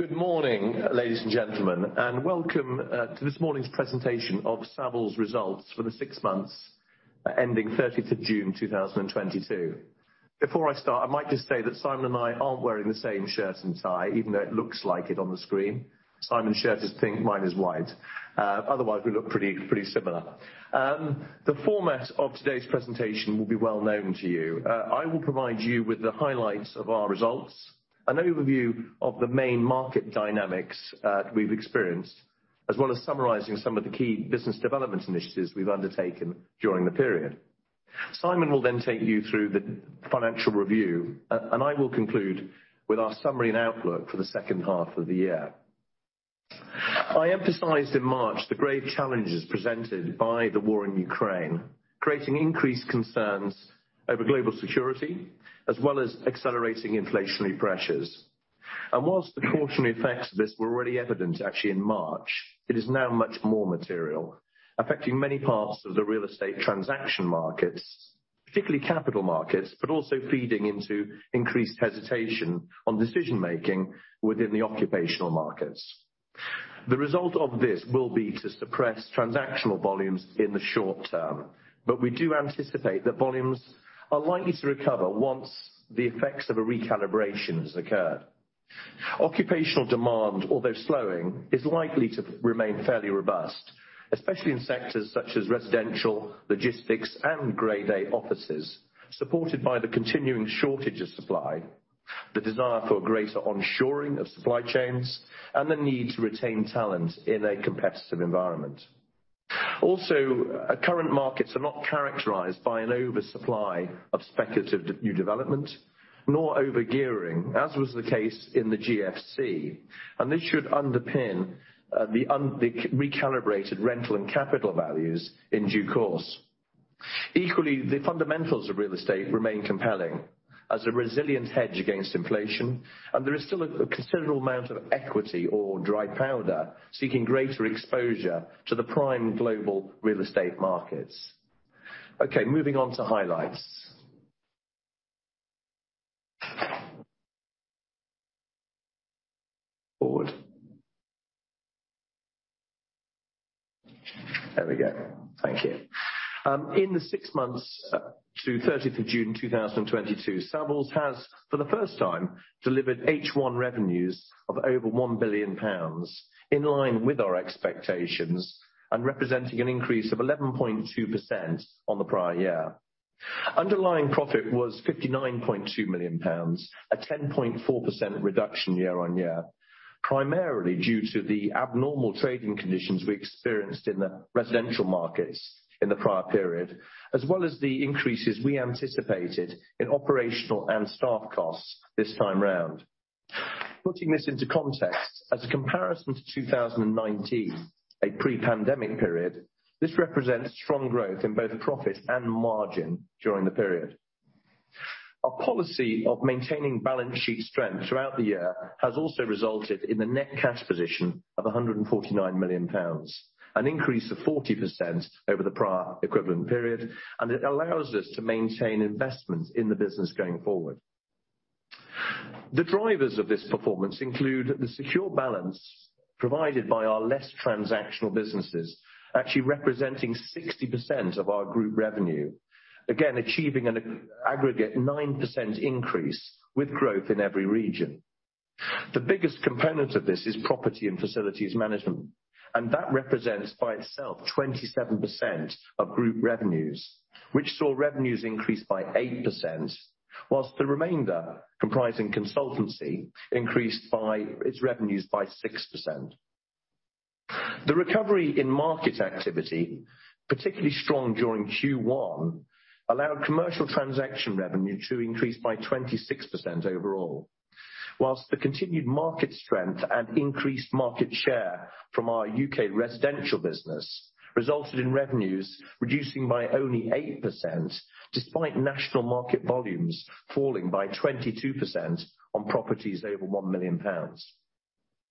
Good morning, ladies and gentlemen, and welcome to this morning's presentation of Savills results for the six months ending 30th of June 2022. Before I start, I might just say that Simon and I aren't wearing the same shirt and tie, even though it looks like it on the screen. Simon's shirt is pink, mine is white. Otherwise, we look pretty similar. The format of today's presentation will be well known to you. I will provide you with the highlights of our results, an overview of the main market dynamics that we've experienced, as well as summarizing some of the key business development initiatives we've undertaken during the period. Simon will then take you through the financial review, and I will conclude with our summary and outlook for the second half of the year. I emphasized in March the grave challenges presented by the war in Ukraine, creating increased concerns over global security, as well as accelerating inflationary pressures. While the cautionary effects of this were already evident actually in March, it is now much more material, affecting many parts of the real estate transaction markets, particularly capital markets, but also feeding into increased hesitation on decision-making within the occupational markets. The result of this will be to suppress transactional volumes in the short term. We do anticipate that volumes are likely to recover once the effects of a recalibration has occurred. Occupational demand, although slowing, is likely to remain fairly robust, especially in sectors such as residential, logistics, and grade A offices, supported by the continuing shortage of supply, the desire for greater onshoring of supply chains, and the need to retain talent in a competitive environment. Current markets are not characterized by an oversupply of speculative new development, nor over-gearing, as was the case in the GFC, and this should underpin the recalibrated rental and capital values in due course. Equally, the fundamentals of real estate remain compelling as a resilient hedge against inflation, and there is still a considerable amount of equity or dry powder seeking greater exposure to the prime global real estate markets. Okay, moving on to highlights. In the six months to 30 June 2022, Savills has, for the first time, delivered H1 revenues of over 1 billion pounds, in line with our expectations and representing an increase of 11.2% on the prior year. Underlying profit was 59.2 million pounds, a 10.4% reduction year-on-year, primarily due to the abnormal trading conditions we experienced in the residential markets in the prior period, as well as the increases we anticipated in operational and staff costs this time around. Putting this into context, as a comparison to 2019, a pre-pandemic period, this represents strong growth in both profit and margin during the period. Our policy of maintaining balance sheet strength throughout the year has also resulted in the net cash position of 149 million pounds, an increase of 40% over the prior equivalent period, and it allows us to maintain investments in the business going forward. The drivers of this performance include the secure balance provided by our less transactional businesses, actually representing 60% of our group revenue. Again, achieving an aggregate 9% increase with growth in every region. The biggest component of this is property and facilities management, and that represents by itself 27% of group revenues, which saw revenues increase by 8%, while the remainder, comprising consultancy, increased by, its revenues by 6%. The recovery in market activity, particularly strong during Q1, allowed commercial transaction revenue to increase by 26% overall. While the continued market strength and increased market share from our U.K. residential business resulted in revenues reducing by only 8% despite national market volumes falling by 22% on properties over 1 million pounds.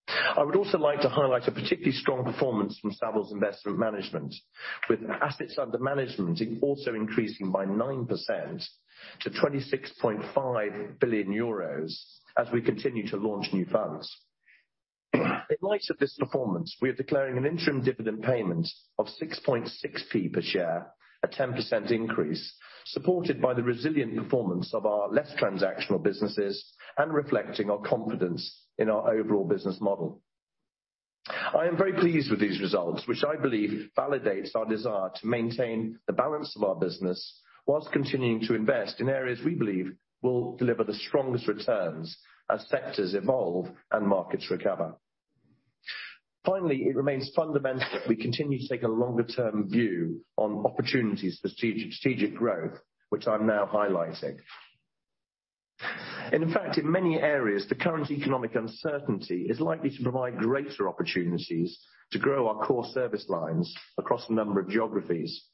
I would also like to highlight a particularly strong performance from Savills's investment management, with assets under management also increasing by 9% to 26.5 billion euros as we continue to launch new funds. In light of this performance, we are declaring an interim dividend payment of 6.6p per share, a 10% increase, supported by the resilient performance of our less transactional businesses and reflecting our confidence in our overall business model. I am very pleased with these results, which I believe validates our desire to maintain the balance of our business whilst continuing to invest in areas we believe will deliver the strongest returns as sectors evolve and markets recover. Finally, it remains fundamental that we continue to take a longer-term view on opportunities for strategic growth, which I'm now highlighting. In fact, in many areas, the current economic uncertainty is likely to provide greater opportunities to grow our core service lines across a number of geographies.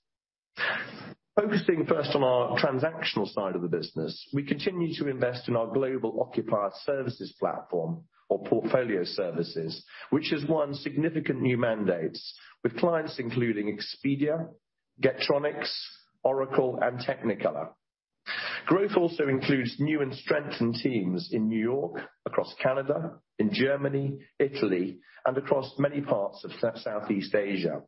Focusing first on our transactional side of the business, we continue to invest in our global occupied services platform or portfolio services, which has won significant new mandates with clients including Expedia, Getronics, Oracle, and Technicolor. Growth also includes new and strengthened teams in New York, across Canada, in Germany, Italy, and across many parts of Southeast Asia.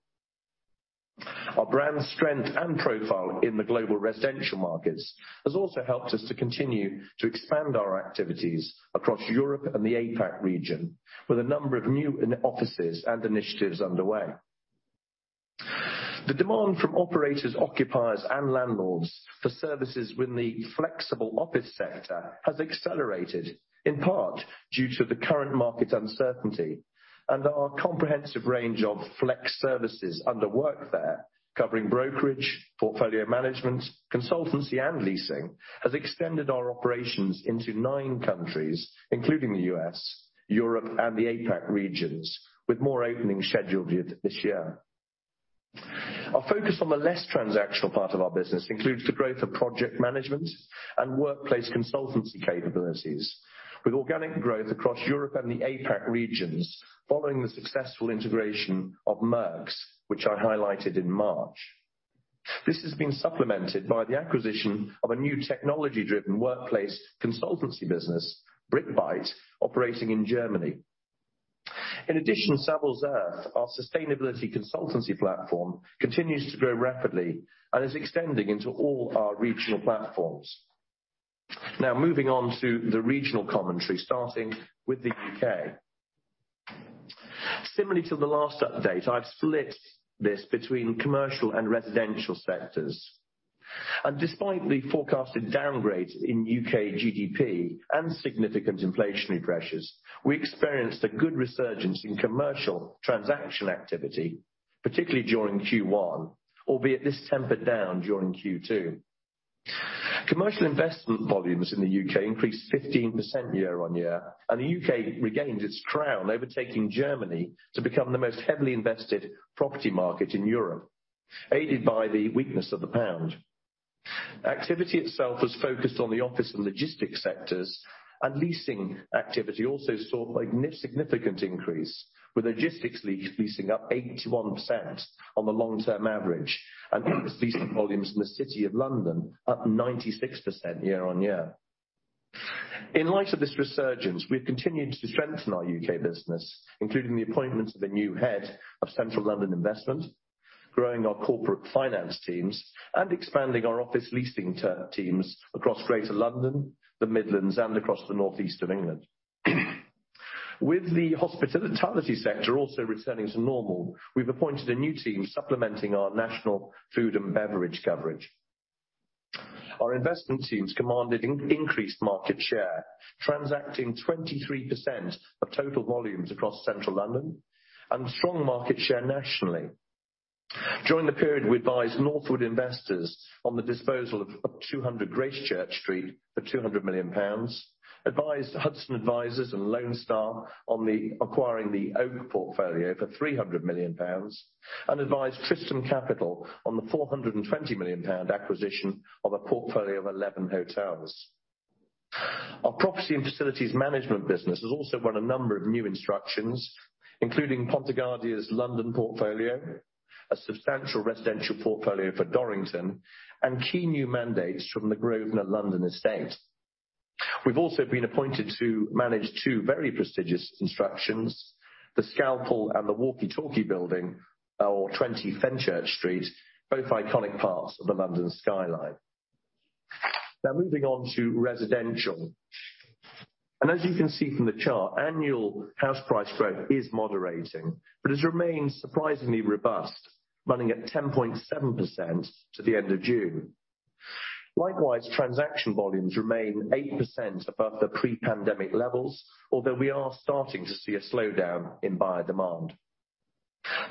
Our brand strength and profile in the global residential markets has also helped us to continue to expand our activities across Europe and the APAC region, with a number of new offices and initiatives underway. The demand from operators, occupiers, and landlords for services within the flexible office sector has accelerated, in part, due to the current market uncertainty. Our comprehensive range of flex services under Workthere, covering brokerage, portfolio management, consultancy, and leasing, has extended our operations into nine countries, including the U.S., Europe, and the APAC regions, with more openings scheduled this year. Our focus on the less transactional part of our business includes the growth of project management and workplace consultancy capabilities, with organic growth across Europe and the APAC regions, following the successful integration of Merx, which I highlighted in March. This has been supplemented by the acquisition of a new technology-driven workplace consultancy business, Brickbyte, operating in Germany. In addition, Savills Earth, our sustainability consultancy platform, continues to grow rapidly and is extending into all our regional platforms. Now, moving on to the regional commentary, starting with the U.K. Similarly to the last update, I've split this between commercial and residential sectors. Despite the forecasted downgrades in U.K. GDP and significant inflationary pressures, we experienced a good resurgence in commercial transaction activity, particularly during Q1, albeit this tempered down during Q2. Commercial investment volumes in the U.K. increased 15% year-on-year, and the U.K. regained its crown, overtaking Germany, to become the most heavily invested property market in Europe, aided by the weakness of the pound. Activity itself was focused on the office and logistics sectors, and leasing activity also saw a significant increase, with logistics leasing up 81% on the long-term average, and office leasing volumes in the City of London up 96% year-on-year. In light of this resurgence, we have continued to strengthen our UK business, including the appointment of a new head of Central London investment, growing our corporate finance teams, and expanding our office leasing teams across Greater London, the Midlands, and across the North East of England. With the hospitality sector also returning to normal, we've appointed a new team supplementing our national food and beverage coverage. Our investment teams commanded increased market share, transacting 23% of total volumes across Central London and strong market share nationally. During the period, we advised Northwood Investors on the disposal of 200 Gracechurch Street for 200 million pounds, advised Hudson Advisors and Lone Star on the acquisition of The Oak Portfolio for 300 million pounds, and advised Tristan Capital on the 420 million pound acquisition of a portfolio of 11 hotels. Our property and facilities management business has also won a number of new instructions, including Pontegadea's London portfolio, a substantial residential portfolio for Dorrington, and key new mandates from the Grosvenor Estate. We've also been appointed to manage two very prestigious constructions, The Scalpel and the Walkie Talkie building, or 20 Fenchurch Street, both iconic parts of the London skyline. Now moving on to residential. As you can see from the chart, annual house price growth is moderating, but has remained surprisingly robust, running at 10.7% to the end of June. Likewise, transaction volumes remain 8% above the pre-pandemic levels, although we are starting to see a slowdown in buyer demand.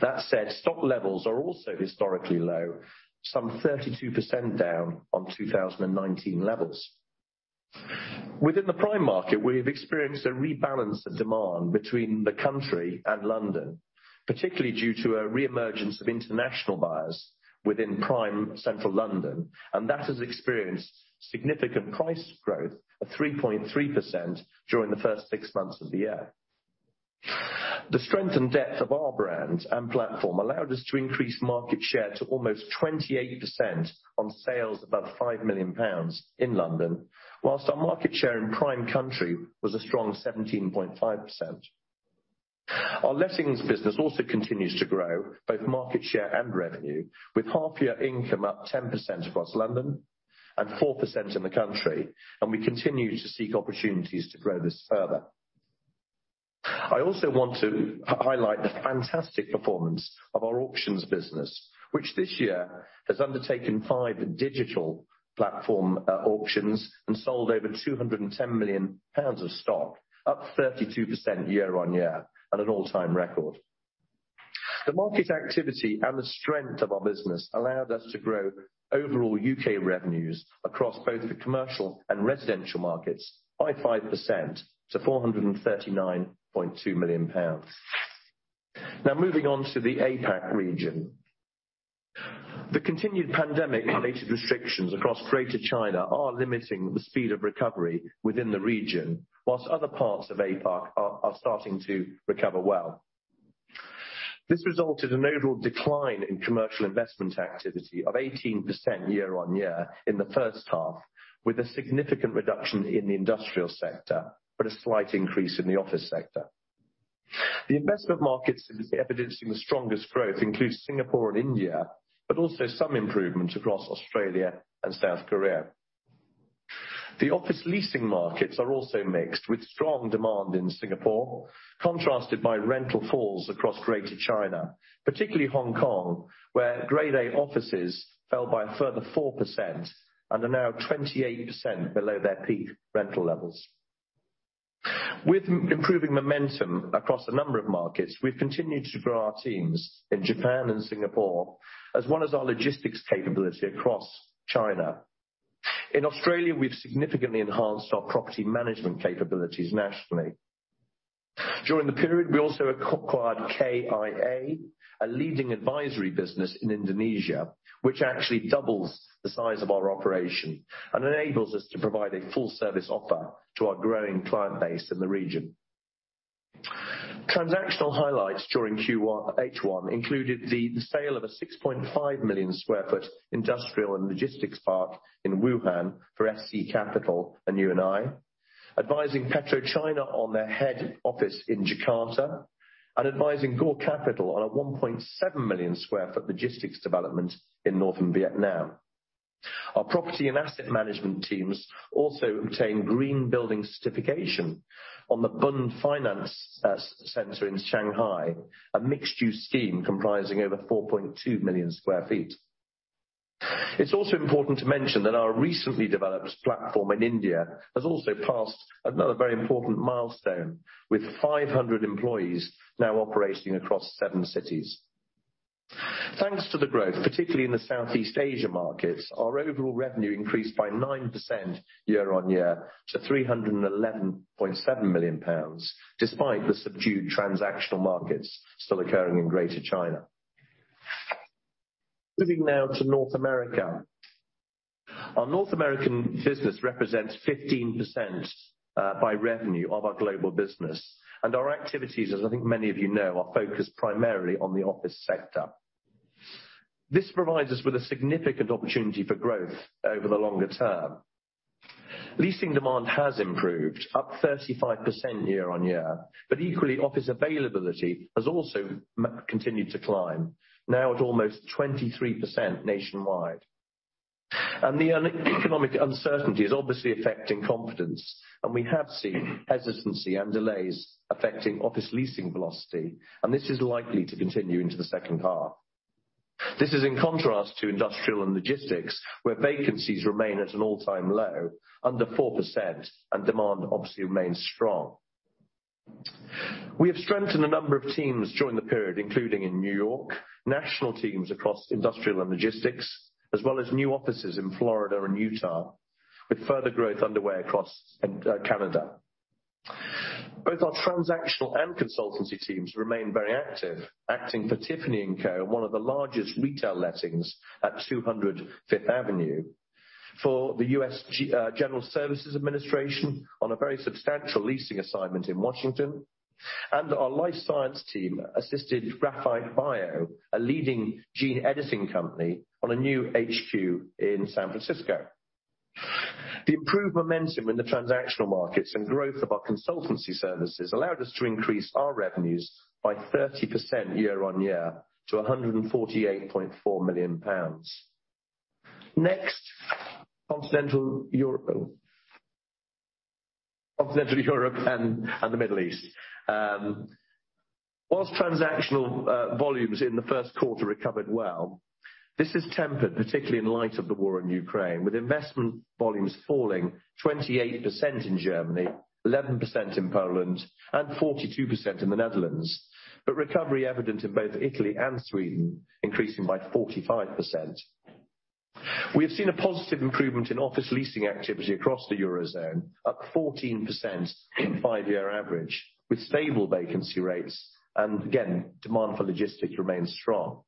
That said, stock levels are also historically low, some 32% down on 2019 levels. Within the prime market, we have experienced a rebalance of demand between the country and London, particularly due to a reemergence of international buyers within prime central London, and that has experienced significant price growth of 3.3% during the first six months of the year. The strength and depth of our brand and platform allowed us to increase market share to almost 28% on sales above 5 million pounds in London, whilst our market share in prime country was a strong 17.5%. Our lettings business also continues to grow both market share and revenue, with half-year income up 10% across London and 4% in the country, and we continue to seek opportunities to grow this further. I also want to highlight the fantastic performance of our auctions business, which this year has undertaken five digital platform auctions and sold over 210 million pounds of stock, up 32% year-on-year, at an all-time record. The market activity and the strength of our business allowed us to grow overall UK revenues across both the commercial and residential markets by 5% to 439.2 million pounds. Now, moving on to the APAC region. The continued pandemic-related restrictions across Greater China are limiting the speed of recovery within the region, while other parts of APAC are starting to recover well. This resulted in a notable decline in commercial investment activity of 18% year-on-year in the first half, with a significant reduction in the industrial sector, but a slight increase in the office sector. The investment markets evidencing the strongest growth includes Singapore and India, but also some improvement across Australia and South Korea. The office leasing markets are also mixed, with strong demand in Singapore, contrasted by rental falls across Greater China, particularly Hong Kong, where Grade A offices fell by a further 4% and are now 28% below their peak rental levels. With improving momentum across a number of markets, we've continued to grow our teams in Japan and Singapore, as well as our logistics capability across China. In Australia, we've significantly enhanced our property management capabilities nationally. During the period, we also acquired KIA, a leading advisory business in Indonesia, which actually doubles the size of our operation and enables us to provide a full service offer to our growing client base in the region. Transactional highlights during H1 included the sale of a 6.5 million sq ft industrial and logistics park in Wuhan for SC Capital and UNI, advising PetroChina on their head office in Jakarta, and advising Gaw Capital on a 1.7 million sq ft logistics development in northern Vietnam. Our property and asset management teams also obtained green building certification on the Bund Finance Center in Shanghai, a mixed-use scheme comprising over 4.2 million sq ft. It's also important to mention that our recently developed platform in India has also passed another very important milestone, with 500 employees now operating across seven cities. Thanks to the growth, particularly in the Southeast Asia markets, our overall revenue increased by 9% year-on-year to 311.7 million pounds, despite the subdued transactional markets still occurring in Greater China. Moving now to North America. Our North American business represents 15% by revenue of our global business, and our activities, as I think many of you know, are focused primarily on the office sector. This provides us with a significant opportunity for growth over the longer term. Leasing demand has improved, up 35% year-on-year, but equally, office availability has also continued to climb, now at almost 23% nationwide. The economic uncertainty is obviously affecting confidence, and we have seen hesitancy and delays affecting office leasing velocity, and this is likely to continue into the second half. This is in contrast to industrial and logistics, where vacancies remain at an all-time low, under 4%, and demand obviously remains strong. We have strengthened a number of teams during the period, including in New York, national teams across industrial and logistics, as well as new offices in Florida and Utah, with further growth underway across Canada. Both our transactional and consultancy teams remain very active, acting for Tiffany & Co., one of the largest retail lettings at 200 Fifth Avenue, for the U.S. General Services Administration on a very substantial leasing assignment in Washington. Our life science team assisted Graphite Bio, a leading gene editing company, on a new HQ in San Francisco. The improved momentum in the transactional markets and growth of our consultancy services allowed us to increase our revenues by 30% year-on-year to GBP 148.4 million. Next, Continental Europe and the Middle East. While transactional volumes in the first quarter recovered well, this is tempered, particularly in light of the war in Ukraine, with investment volumes falling 28% in Germany, 11% in Poland, and 42% in the Netherlands, but recovery evident in both Italy and Sweden, increasing by 45%. We have seen a positive improvement in office leasing activity across the Eurozone, up 14% five-year average, with stable vacancy rates. Again, demand for logistics remains strong.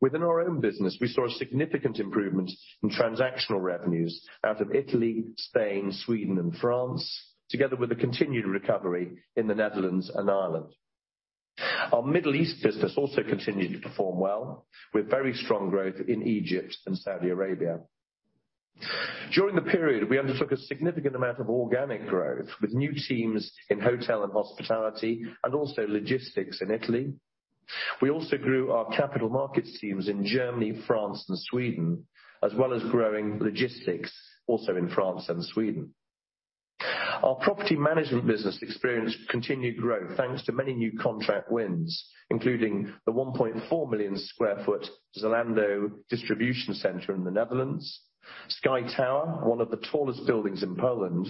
Within our own business, we saw a significant improvement in transactional revenues out of Italy, Spain, Sweden and France, together with a continued recovery in the Netherlands and Ireland. Our Middle East business also continued to perform well, with very strong growth in Egypt and Saudi Arabia. During the period, we undertook a significant amount of organic growth with new teams in hotel and hospitality and also logistics in Italy. We also grew our capital markets teams in Germany, France, and Sweden, as well as growing logistics also in France and Sweden. Our property management business experienced continued growth, thanks to many new contract wins, including the 1.4 million sq ft Zalando distribution center in the Netherlands, Sky Tower, one of the tallest buildings in Poland,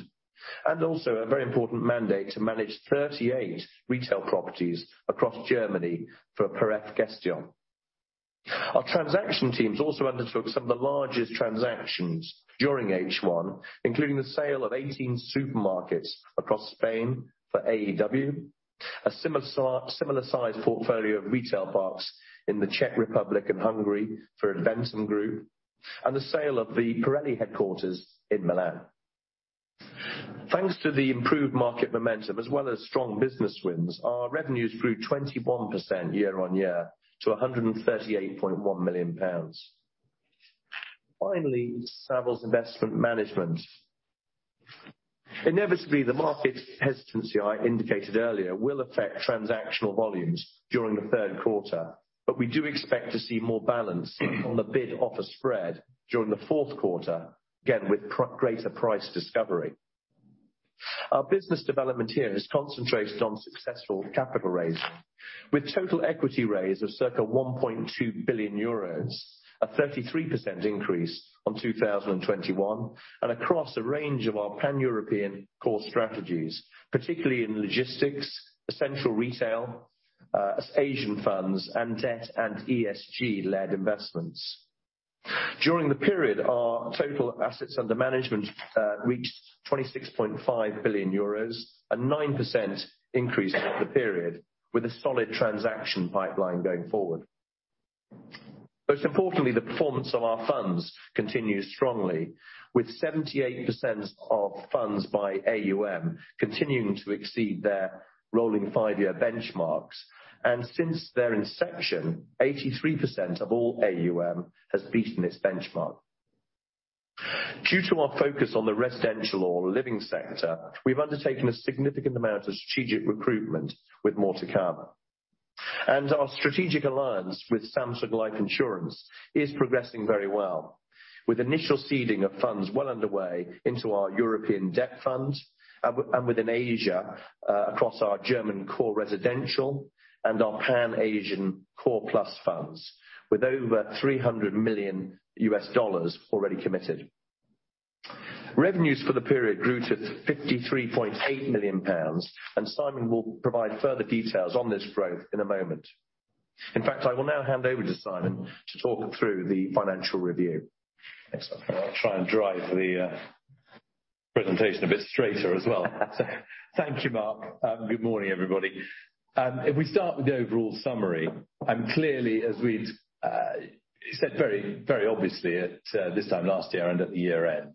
and also a very important mandate to manage 38 retail properties across Germany for Paref Gestion. Our transaction teams also undertook some of the largest transactions during H1, including the sale of 18 supermarkets across Spain for AEW, a similar sized portfolio of retail parks in the Czech Republic and Hungary for Adventum Group, and the sale of the Pirelli headquarters in Milan. Thanks to the improved market momentum as well as strong business wins, our revenues grew 21% year-on-year to GBP 138.1 million. Finally, Savills Investment Management. Inevitably, the market hesitancy I indicated earlier will affect transactional volumes during the third quarter, but we do expect to see more balance on the bid-offer spread during the fourth quarter, again, with greater price discovery. Our business development here is concentrated on successful capital raise with total equity raise of circa 1.2 billion euros, a 33% increase on 2021 and across a range of our Pan-European core strategies, particularly in logistics, essential retail, Asian funds and debt and ESG-led investments. During the period, our total assets under management reached 26.5 billion euros, a 9% increase over the period with a solid transaction pipeline going forward. Most importantly, the performance of our funds continues strongly with 78% of funds by AUM continuing to exceed their rolling five-year benchmarks. Since their inception, 83% of all AUM has beaten its benchmark. Due to our focus on the residential or living sector, we've undertaken a significant amount of strategic recruitment with more to come. Our strategic alliance with Samsung Life Insurance is progressing very well, with initial seeding of funds well underway into our European debt fund and within Asia, across our German core residential and our Pan-Asian core plus funds, with over $300 million already committed. Revenues for the period grew to 53.8 million pounds, and Simon will provide further details on this growth in a moment. In fact, I will now hand over to Simon to talk through the financial review. Thanks, Mark. I'll try and drive the presentation a bit straighter as well. Thank you, Mark. Good morning, everybody. If we start with the overall summary, and clearly, as we'd said very, very obviously at this time last year and at the year-end,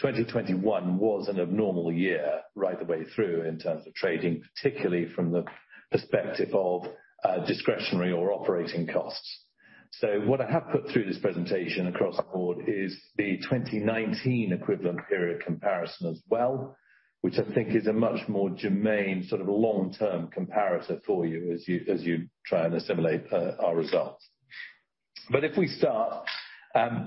2021 was an abnormal year right the way through in terms of trading, particularly from the perspective of discretionary or operating costs. What I have put through this presentation across the board is the 2019 equivalent period comparison as well, which I think is a much more germane sort of long-term comparator for you as you try and assimilate our results. If we start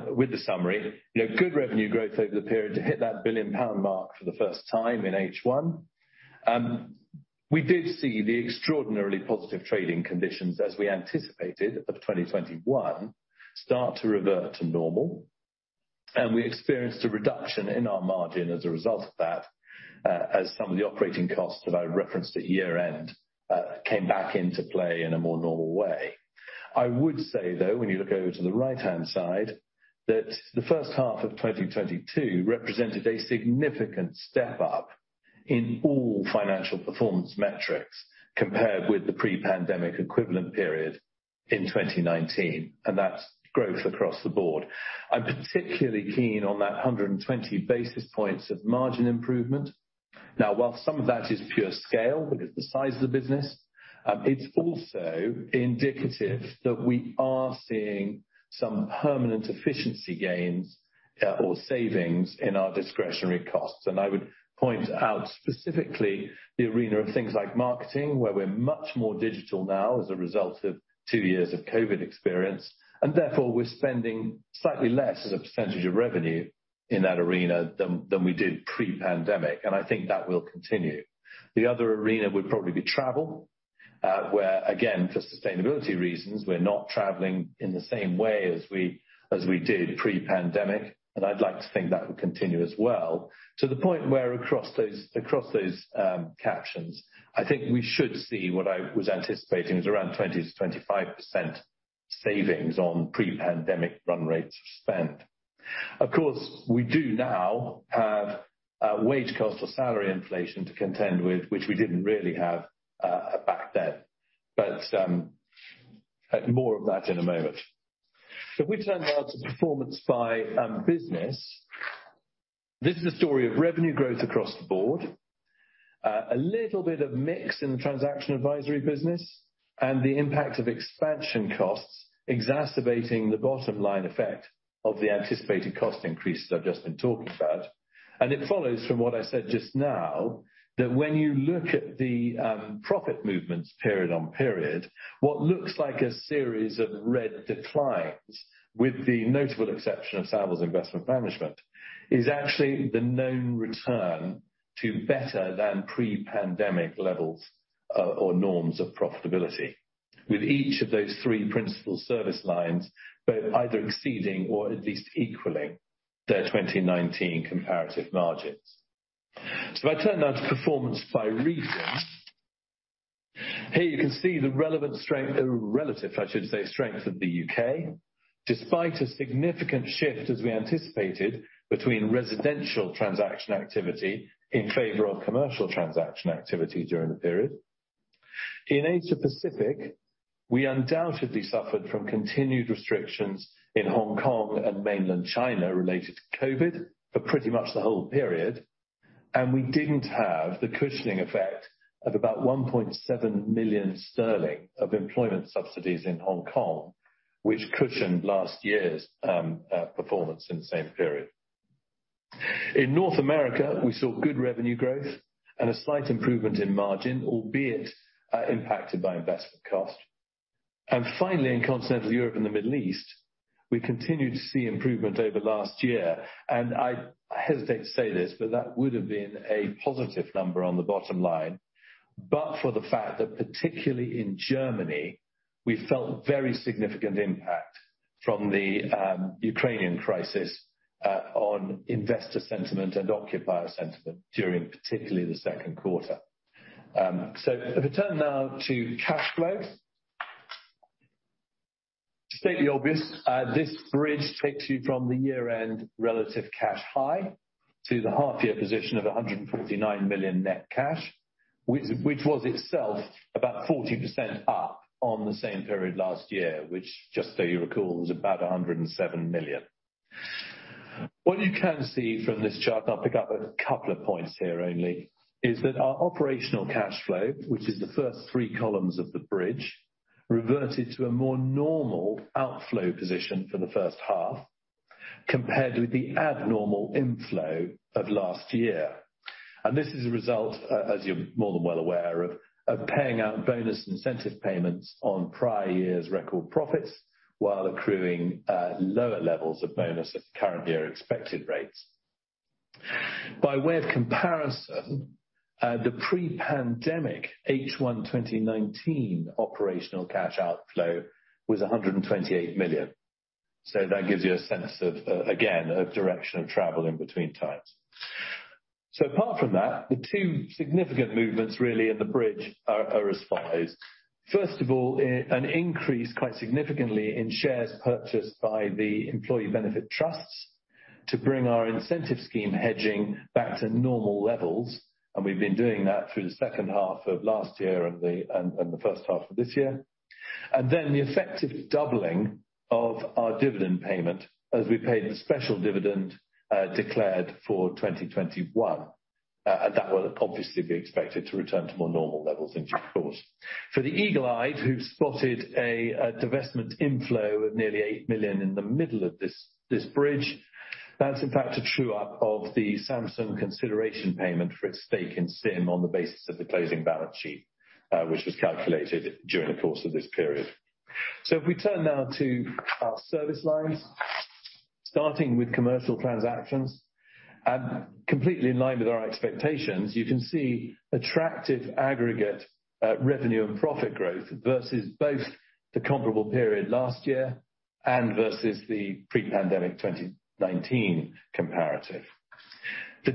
with the summary, you know, good revenue growth over the period to hit that 1 billion pound mark for the first time in H1. We did see the extraordinarily positive trading conditions as we anticipated of 2021 start to revert to normal, and we experienced a reduction in our margin as a result of that, as some of the operating costs that I referenced at year-end came back into play in a more normal way. I would say, though, when you look over to the right-hand side, that the first half of 2022 represented a significant step up in all financial performance metrics compared with the pre-pandemic equivalent period in 2019, and that's growth across the board. I'm particularly keen on that 120 basis points of margin improvement. Now, while some of that is pure scale because the size of the business, it's also indicative that we are seeing some permanent efficiency gains, or savings in our discretionary costs. I would point out specifically the arena of things like marketing, where we're much more digital now as a result of two years of COVID experience, and therefore we're spending slightly less as a percentage of revenue in that arena than we did pre-pandemic. I think that will continue. The other arena would probably be travel, where again, for sustainability reasons, we're not traveling in the same way as we did pre-pandemic, and I'd like to think that would continue as well. To the point where across those captions, I think we should see what I was anticipating is around 20%-25% savings on pre-pandemic run rates of spend. Of course, we do now have wage cost or salary inflation to contend with, which we didn't really have back then. More of that in a moment. If we turn now to performance by business, this is a story of revenue growth across the board. A little bit of mix in the transaction advisory business and the impact of expansion costs exacerbating the bottom-line effect of the anticipated cost increases I've just been talking about. It follows from what I said just now that when you look at the profit movements period on period, what looks like a series of red declines, with the notable exception of Savills Investment Management, is actually the known return to better than pre-pandemic levels or norms of profitability. With each of those three principal service lines, both either exceeding or at least equaling their 2019 comparative margins. If I turn now to performance by region. Here you can see the relevant strength, or relative, I should say, strength of the U.K., despite a significant shift as we anticipated between residential transaction activity in favor of commercial transaction activity during the period. In Asia Pacific, we undoubtedly suffered from continued restrictions in Hong Kong and mainland China related to COVID for pretty much the whole period, and we didn't have the cushioning effect of about 1.7 million sterling of employment subsidies in Hong Kong, which cushioned last year's performance in the same period. In North America, we saw good revenue growth and a slight improvement in margin, albeit impacted by investment cost. Finally, in continental Europe and the Middle East, we continued to see improvement over last year. I hesitate to say this, but that would have been a positive number on the bottom line, but for the fact that particularly in Germany, we felt very significant impact from the Ukrainian crisis on investor sentiment and occupier sentiment during particularly the second quarter. If we turn now to cash flow. To state the obvious, this bridge takes you from the year-end relative cash high to the half-year position of 149 million net cash, which was itself about 40% up on the same period last year, which just so you recall, was about 107 million. What you can see from this chart, and I'll pick up a couple of points here only, is that our operational cash flow, which is the first three columns of the bridge, reverted to a more normal outflow position for the first half compared with the abnormal inflow of last year. This is a result, as you're more than well aware of paying out bonus incentive payments on prior year's record profits while accruing lower levels of bonus at the current year expected rates. By way of comparison, the pre-pandemic H1 2019 operational cash outflow was 128 million. That gives you a sense of, again, of direction of travel in between times. Apart from that, the two significant movements really in the bridge are as follows. First of all, an increase quite significantly in shares purchased by the employee benefit trusts to bring our incentive scheme hedging back to normal levels. We've been doing that through the second half of last year and the first half of this year. The effective doubling of our dividend payment as we paid the special dividend declared for 2021. That will obviously be expected to return to more normal levels in due course. For the eagle-eyed who spotted a divestment inflow of nearly 8 million in the middle of this bridge, that's in fact a true-up of the Samsung consideration payment for its stake in SIM on the basis of the closing balance sheet, which was calculated during the course of this period. If we turn now to our service lines, starting with commercial transactions, and completely in line with our expectations, you can see attractive aggregate revenue and profit growth versus both the comparable period last year and versus the pre-pandemic 2019 comparative. The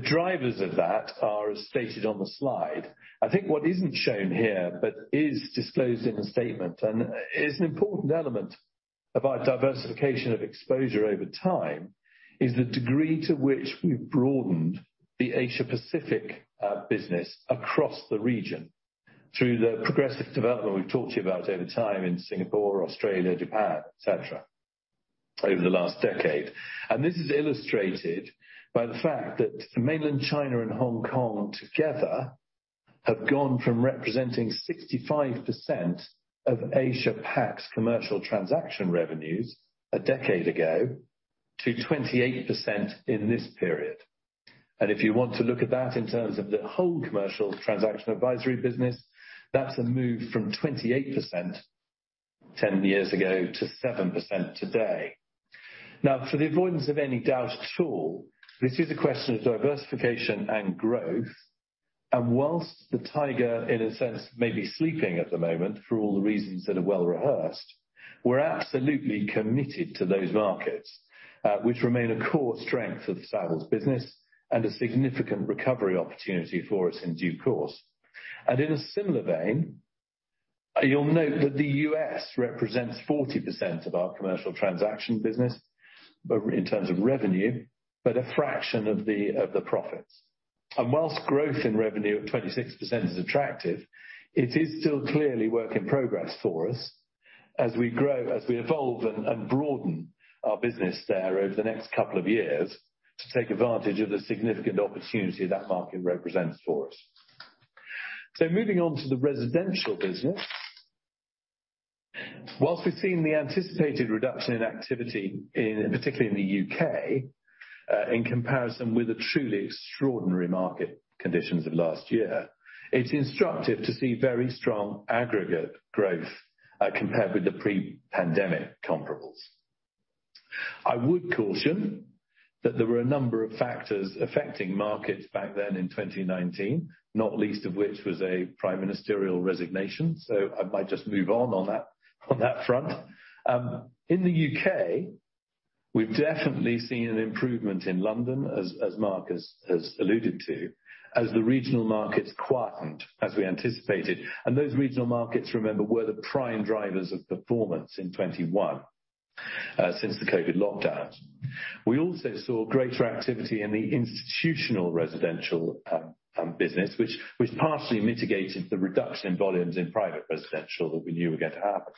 drivers of that are as stated on the slide. I think what isn't shown here, but is disclosed in the statement, and is an important element of our diversification of exposure over time, is the degree to which we've broadened the Asia Pacific business across the region through the progressive development we've talked to you about over time in Singapore, Australia, Japan, et cetera, over the last decade. This is illustrated by the fact that mainland China and Hong Kong together have gone from representing 65% of Asia Pac's commercial transaction revenues a decade ago to 28% in this period. If you want to look at that in terms of the whole commercial transaction advisory business, that's a move from 28% 10 years ago to 7% today. Now, for the avoidance of any doubt at all, this is a question of diversification and growth. While the tiger, in a sense, may be sleeping at the moment for all the reasons that are well rehearsed, we're absolutely committed to those markets, which remain a core strength of Savills' business and a significant recovery opportunity for us in due course. In a similar vein, you'll note that the U.S. represents 40% of our commercial transaction business, but in terms of revenue, a fraction of the profits. While growth in revenue at 26% is attractive, it is still clearly work in progress for us as we grow, as we evolve and broaden our business there over the next couple of years to take advantage of the significant opportunity that market represents for us. Moving on to the residential business. While we've seen the anticipated reduction in activity in, particularly in the U.K., in comparison with the truly extraordinary market conditions of last year, it's instructive to see very strong aggregate growth, compared with the pre-pandemic comparables. I would caution that there were a number of factors affecting markets back then in 2019, not least of which was a prime ministerial resignation. I might just move on that front. In the U.K., we've definitely seen an improvement in London, as Mark has alluded to, as the regional markets quietened, as we anticipated. Those regional markets, remember, were the prime drivers of performance in 2021 since the COVID lockdown. We also saw greater activity in the institutional residential business, which partially mitigated the reduction in volumes in private residential that we knew were going to happen.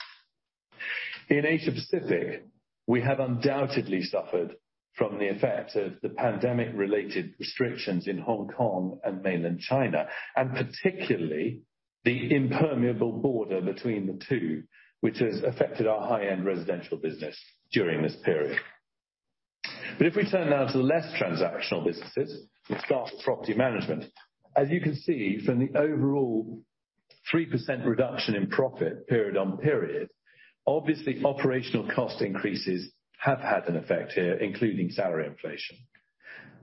In Asia-Pacific, we have undoubtedly suffered from the effects of the pandemic-related restrictions in Hong Kong and mainland China, and particularly the impermeable border between the two, which has affected our high-end residential business during this period. If we turn now to the less transactional businesses and start with property management, as you can see from the overall 3% reduction in profit, period on period, obviously operational cost increases have had an effect here, including salary inflation.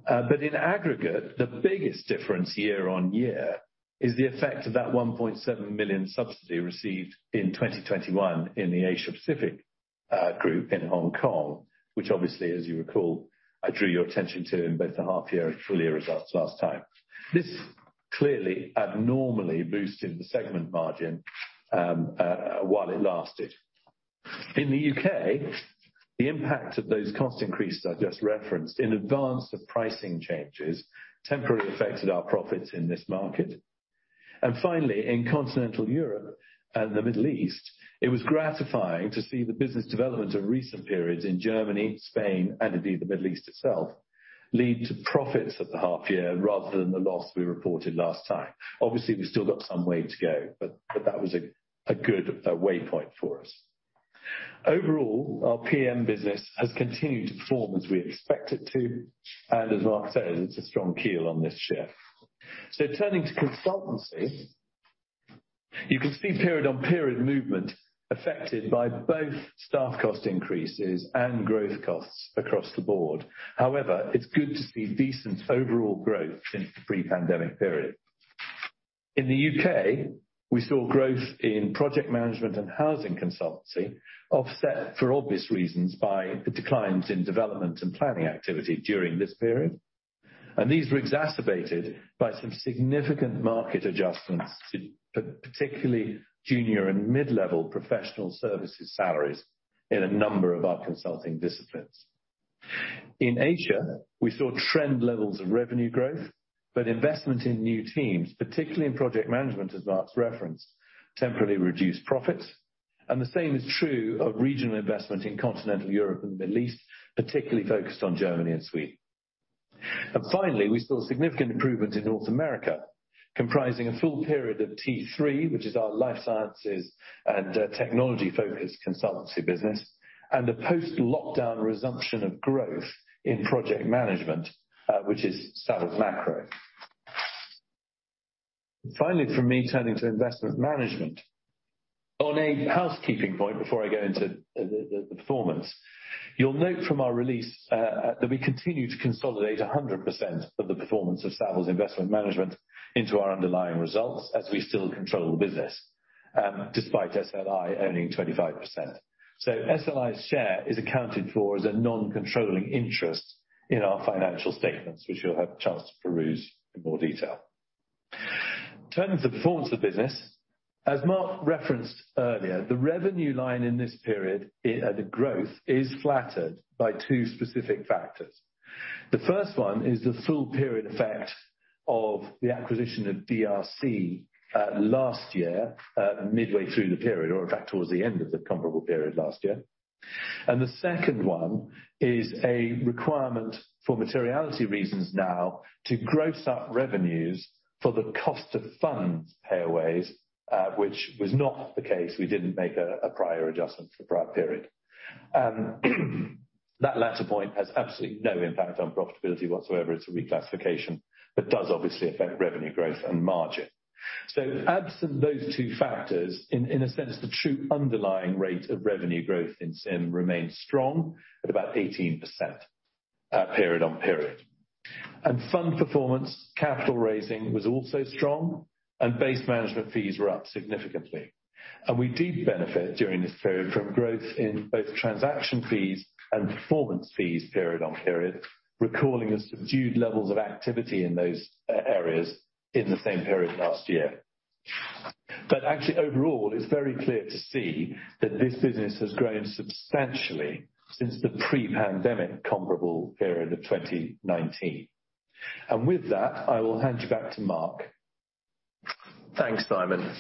In aggregate, the biggest difference year-on-year is the effect of that 1.7 million subsidy received in 2021 in the Asia-Pacific group in Hong Kong, which obviously, as you recall, I drew your attention to in both the half-year and full year results last time. This clearly abnormally boosted the segment margin, while it lasted. In the U.K., the impact of those cost increases I just referenced in advance of pricing changes temporarily affected our profits in this market. Finally, in continental Europe and the Middle East, it was gratifying to see the business development of recent periods in Germany, Spain, and indeed the Middle East itself, lead to profits at the half year rather than the loss we reported last time. Obviously, we still got some way to go, but that was a good waypoint for us. Overall, our PM business has continued to perform as we expect it to, and as Mark said, it's a strong keel on this ship. Turning to consultancy, you can see period-on-period movement affected by both staff cost increases and growth costs across the board. However, it's good to see decent overall growth since the pre-pandemic period. In the UK, we saw growth in project management and housing consultancy offset for obvious reasons by the declines in development and planning activity during this period. These were exacerbated by some significant market adjustments to particularly junior and mid-level professional services salaries in a number of our consulting disciplines. In Asia, we saw trend levels of revenue growth, but investment in new teams, particularly in project management as Mark's referenced, temporarily reduced profits, and the same is true of regional investment in continental Europe and the Middle East, particularly focused on Germany and Sweden. Finally, we saw significant improvement in North America, comprising a full period of T3, which is our life sciences and technology-focused consultancy business, and a post-lockdown resumption of growth in project management, which is Savills Macro. Finally, for me, turning to investment management. On a housekeeping point, before I go into the performance, you'll note from our release that we continue to consolidate 100% of the performance of Savills Investment Management into our underlying results as we still control the business, despite SLI owning 25%. SLI's share is accounted for as a non-controlling interest in our financial statements, which you'll have a chance to peruse in more detail. Turning to the performance of the business. As Mark referenced earlier, the revenue line in this period, the growth is flattered by two specific factors. The first one is the full period effect of the acquisition of DRC last year, midway through the period or in fact towards the end of the comparable period last year. The second one is a requirement for materiality reasons now to gross up revenues for the cost of funds payaways, which was not the case. We didn't make a prior adjustment for prior period. That latter point has absolutely no impact on profitability whatsoever. It's a reclassification, but does obviously affect revenue growth and margin. Absent those two factors, in a sense, the true underlying rate of revenue growth in SIM remains strong at about 18%, period on period. Fund performance capital raising was also strong and base management fees were up significantly. We did benefit during this period from growth in both transaction fees and performance fees period on period, recalling the subdued levels of activity in those areas in the same period last year. Actually overall, it's very clear to see that this business has grown substantially since the pre-pandemic comparable period of 2019. With that, I will hand you back to Mark. Thanks, Simon.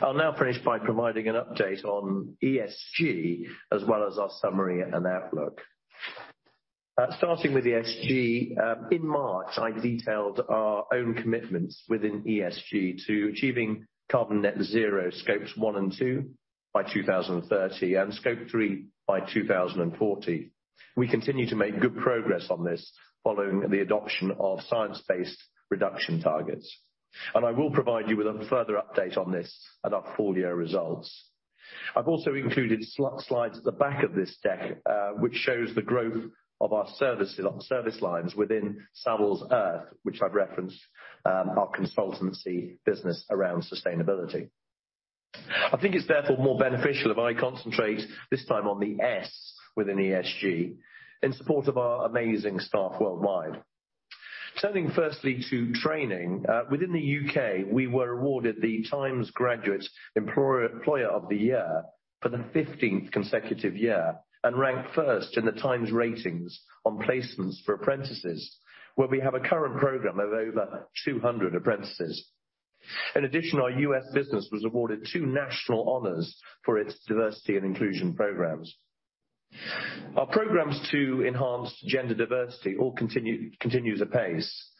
I'll now finish by providing an update on ESG as well as our summary and outlook. Starting with ESG, in March, I detailed our own commitments within ESG to achieving carbon net zero Scope one and two by 2030 and Scope three by 2040. We continue to make good progress on this following the adoption of science-based reduction targets. I will provide you with a further update on this at our full year results. I've also included slides at the back of this deck, which shows the growth of our services or service lines within Savills Earth, which I've referenced, our consultancy business around sustainability. I think it's therefore more beneficial if I concentrate this time on the S within ESG in support of our amazing staff worldwide. Turning firstly to training. Within the U.K., we were awarded The Times Graduate Employer of the Year for the 15th consecutive year, and ranked first in The Times ratings on placements for apprentices, where we have a current program of over 200 apprentices. In addition, our US business was awarded two national honors for its diversity and inclusion programs. Our programs to enhance gender diversity all continue to pace.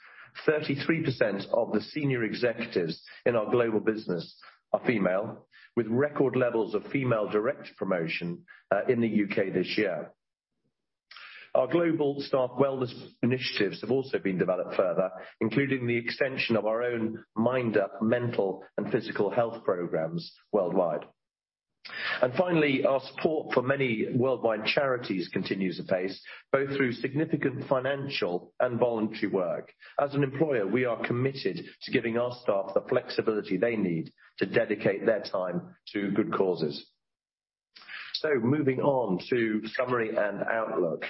33% of the senior executives in our global business are female, with record levels of female direct promotion in the U.K. this year. Our global staff wellness initiatives have also been developed further, including the extension of our own MindUP mental and physical health programs worldwide. Finally, our support for many worldwide charities continues apace, both through significant financial and voluntary work. As an employer, we are committed to giving our staff the flexibility they need to dedicate their time to good causes. Moving on to summary and outlook.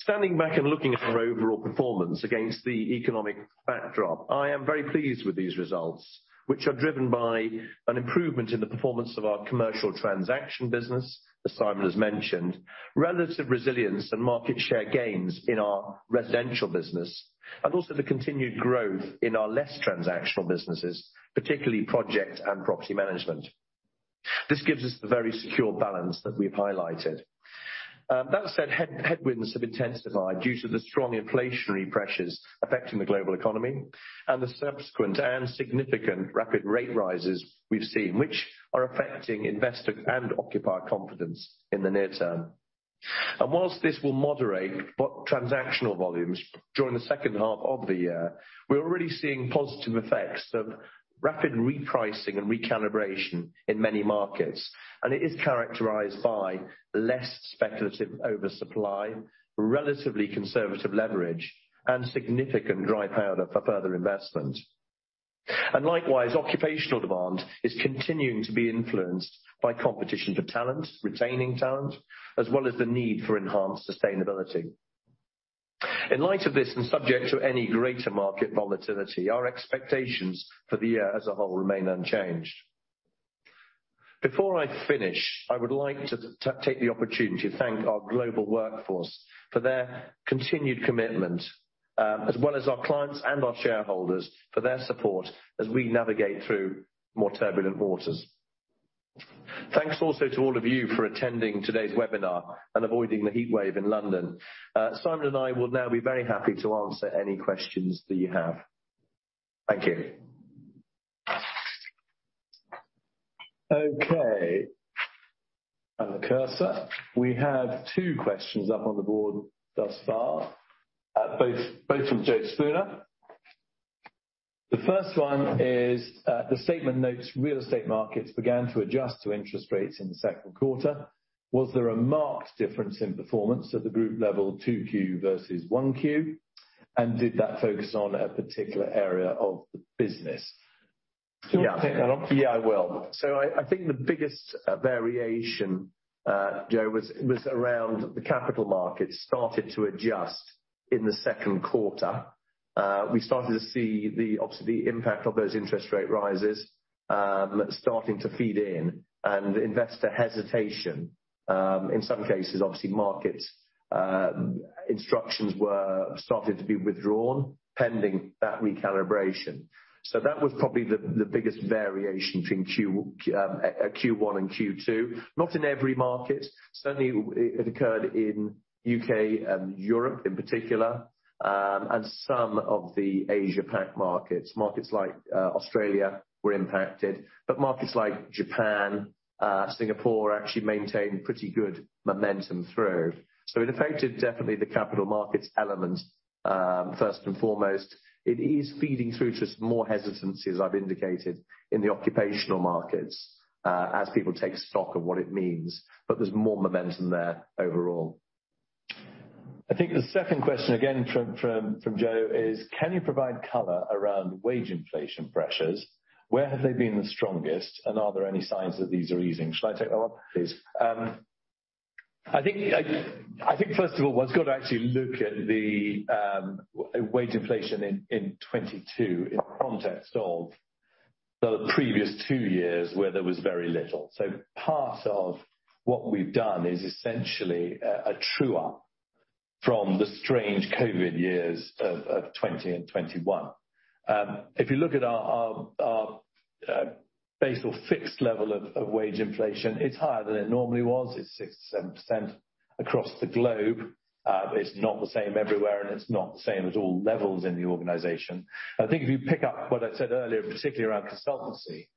Standing back and looking at our overall performance against the economic backdrop, I am very pleased with these results, which are driven by an improvement in the performance of our commercial transaction business, as Simon has mentioned. Relative resilience and market share gains in our residential business, and also the continued growth in our less transactional businesses, particularly project and property management. This gives us the very secure balance that we've highlighted. That said, headwinds have intensified due to the strong inflationary pressures affecting the global economy and the subsequent and significant rapid rate rises we've seen, which are affecting investor and occupier confidence in the near term. While this will moderate the transactional volumes during the second half of the year, we're already seeing positive effects of rapid repricing and recalibration in many markets. It is characterized by less speculative oversupply, relatively conservative leverage, and significant dry powder for further investment. Occupational demand is continuing to be influenced by competition for talent, retaining talent, as well as the need for enhanced sustainability. In light of this, and subject to any greater market volatility, our expectations for the year as a whole remain unchanged. Before I finish, I would like to take the opportunity to thank our global workforce for their continued commitment, as well as our clients and our shareholders for their support as we navigate through more turbulent waters. Thanks also to all of you for attending today's webinar and avoiding the heatwave in London. Simon and I will now be very happy to answer any questions that you have. Thank you. Okay. Have the cursor. We have two questions up on the board thus far, both from Joe Spooner. The first one is, "The statement notes real estate markets began to adjust to interest rates in the second quarter. Was there a marked difference in performance at the group level 2Q versus 1Q? And did that focus on a particular area of the business?" Do you wanna take that one? Yeah, I will. I think the biggest variation, Joe, was around the capital markets started to adjust in the second quarter. We started to see obviously the impact of those interest rate rises starting to feed in and investor hesitation. In some cases, obviously, market instructions started to be withdrawn pending that recalibration. That was probably the biggest variation between Q1 and Q2. Not in every market. Certainly, it occurred in U.K. and Europe in particular and some of the APAC markets. Markets like Australia were impacted. But markets like Japan, Singapore actually maintained pretty good momentum through. It affected definitely the capital markets element first and foremost. It is feeding through to more hesitancy, as I've indicated, in the occupational markets, as people take stock of what it means. There's more momentum there overall. I think the second question again from Joe is, "Can you provide color around wage inflation pressures? Where have they been the strongest? And are there any signs that these are easing?" Shall I take that one? I think first of all, one's got to actually look at the wage inflation in 2022 in the context of the previous two years, where there was very little. Part of what we've done is essentially a true-up from the strange COVID years of 2020 and 2021. If you look at our base or fixed level of wage inflation, it's higher than it normally was. It's 6%-7% across the globe. It's not the same everywhere, and it's not the same at all levels in the organization. I think if you pick up what I said earlier, particularly around consultancy,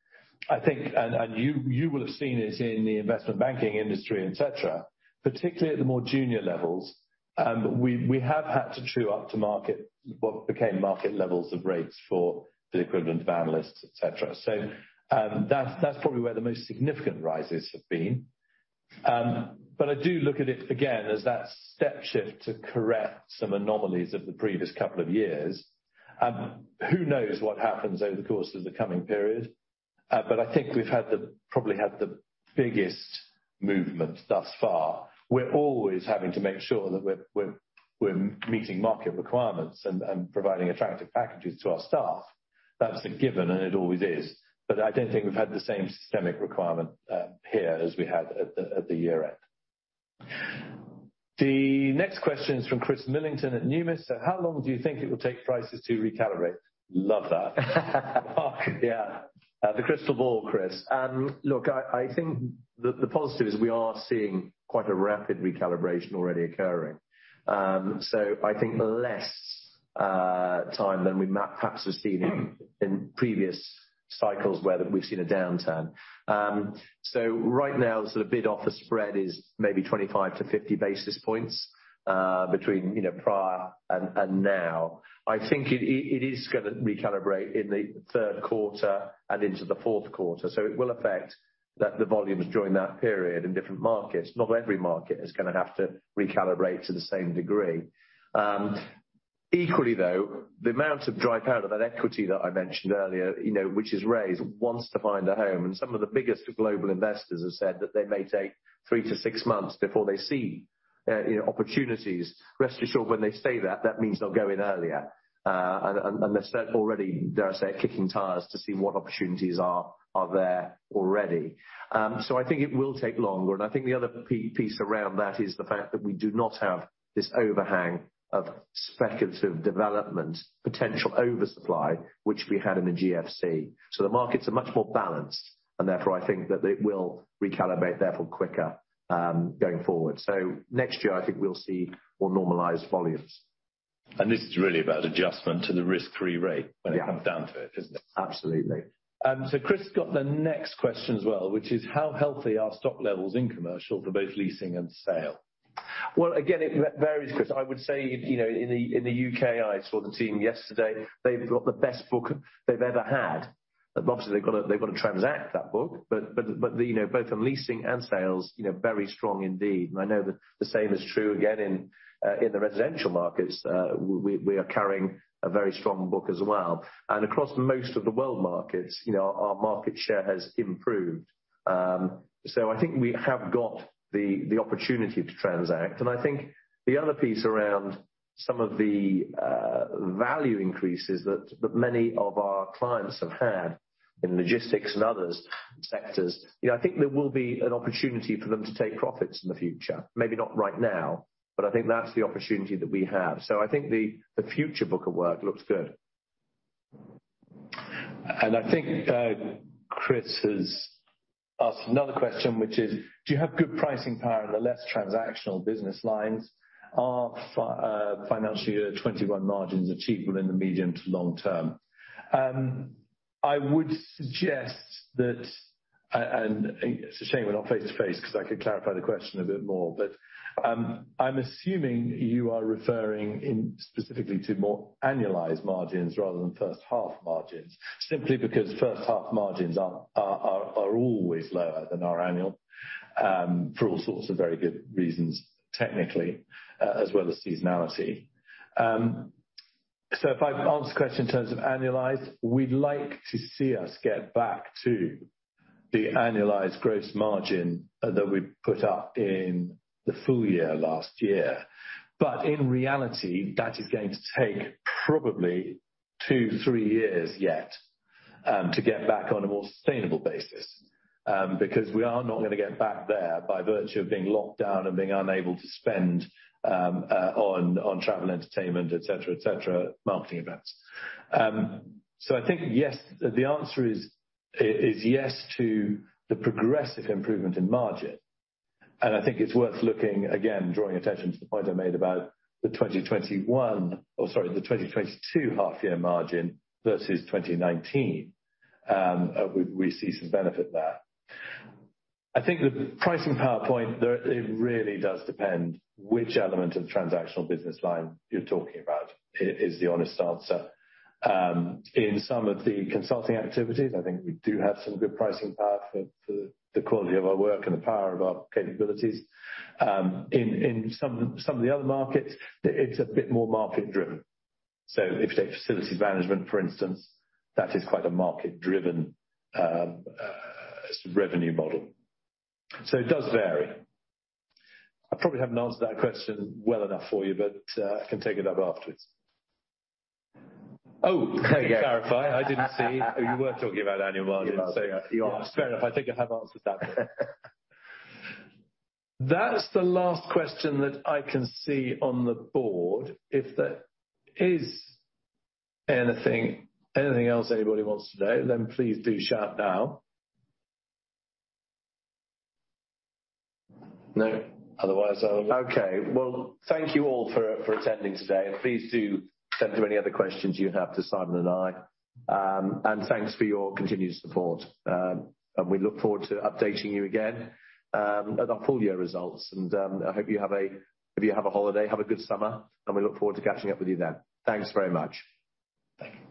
I think and you will have seen this in the investment banking industry, et cetera, particularly at the more junior levels, we have had to true up to market what became market levels of rates for the equivalent of analysts, et cetera. That's probably where the most significant rises have been. I do look at it again as that step shift to correct some anomalies of the previous couple of years. Who knows what happens over the course of the coming period? I think we've probably had the biggest movement thus far. We're always having to make sure that we're meeting market requirements and providing attractive packages to our staff. That's a given, and it always is. I don't think we've had the same systemic requirement here as we had at the year end. The next question is from Chris Millington at Numis. How long do you think it will take prices to recalibrate? Love that. Mark, yeah. The crystal ball, Chris. Look, I think the positive is we are seeing quite a rapid recalibration already occurring. I think less time than we might perhaps have seen in previous cycles where we've seen a downturn. Right now, sort of bid-offer spread is maybe 25-50 basis points between, you know, prior and now. I think it is gonna recalibrate in the third quarter and into the fourth quarter, so it will affect the volumes during that period in different markets. Not every market is gonna have to recalibrate to the same degree. Equally though, the amount of dry powder, that equity that I mentioned earlier, you know, which is raised, wants to find a home, and some of the biggest global investors have said that they may take three to six months before they see, you know, opportunities. Rest assured, when they say that means they'll go in earlier, and they're already, dare I say, kicking tires to see what opportunities are there already. I think it will take longer, and I think the other piece around that is the fact that we do not have this overhang of speculative development, potential oversupply, which we had in the GFC. The markets are much more balanced, and therefore I think that it will recalibrate therefore quicker, going forward. Next year, I think we'll see more normalized volumes. This is really about adjustment to the risk-free rate. Yeah. When it comes down to it, isn't it? Absolutely. Chris got the next question as well, which is how healthy are stock levels in commercial for both leasing and sale? Well, again, it varies, Chris. I would say, you know, in the U.K., I saw the team yesterday. They've got the best book they've ever had. Obviously, they've gotta transact that book. You know, both on leasing and sales, you know, very strong indeed. I know the same is true again in the residential markets. We are carrying a very strong book as well. Across most of the world markets, you know, our market share has improved. I think we have got the opportunity to transact. I think the other piece around some of the value increases that many of our clients have had in logistics and other sectors, you know, I think there will be an opportunity for them to take profits in the future. Maybe not right now, but I think that's the opportunity that we have. I think the future book of work looks good. I think Chris has asked another question, which is, do you have good pricing power in the less transactional business lines? Are financial year 2021 margins achievable in the medium to long term? I would suggest that it's a shame we're not face to face 'cause I could clarify the question a bit more. I'm assuming you are referring specifically to more annualized margins rather than first half margins. Simply because first half margins are always lower than our annual for all sorts of very good reasons, technically, as well as seasonality. If I answer the question in terms of annualized, we'd like to see us get back to the annualized gross margin that we put up in the full year last year. In reality, that is going to take probably two, three years yet to get back on a more sustainable basis. Because we are not gonna get back there by virtue of being locked down and being unable to spend on travel, entertainment, et cetera, et cetera, marketing events. I think yes. The answer is yes to the progressive improvement in margin. I think it's worth looking, again, drawing attention to the point I made about the 2021, or sorry, the 2022 half year margin versus 2019. We see some benefit there. I think the pricing power there, it really does depend which element of the transactional business line you're talking about, is the honest answer. In some of the consulting activities, I think we do have some good pricing power for the quality of our work and the power of our capabilities. In some of the other markets, it's a bit more market driven. If you take facilities management, for instance, that is quite a market driven sort of revenue model. It does vary. I probably haven't answered that question well enough for you, but I can take it up afterwards. Oh, there you go. Can clarify? I didn't see. You were talking about annual margin. Annual margin. You are. Fair enough. I think I have answered that then. That's the last question that I can see on the board. If there is anything else anybody wants to know, then please do shout now. No? Otherwise, I'll. Okay. Well, thank you all for attending today. Please do send through any other questions you have to Simon and I. Thanks for your continued support. We look forward to updating you again at our full year results. I hope you have a holiday, have a good summer, and we look forward to catching up with you then. Thanks very much. Thank you.